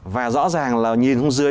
và rõ ràng là nhìn hông dưới